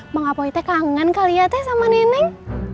bang apoi teh kangen kali ya teh sama neneng